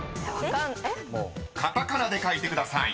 ［カタカナで書いてください］